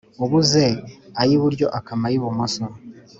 Ubuze ay’iburyo akama ay’ibumoso